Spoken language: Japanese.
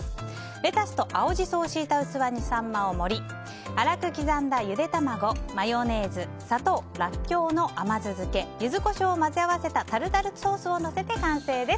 レタスと青ジソを敷いた器にサンマを盛り粗く刻んだゆで卵、マヨネーズ砂糖、ラッキョウの甘酢漬けユズコショウを混ぜ合わせたタルタルソースをのせて完成です。